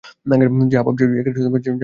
যা ভাবছেন তা নয়।